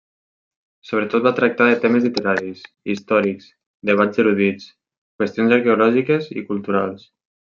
Sobretot va tractar de temes literaris, històrics, debats erudits, qüestions arqueològiques i culturals.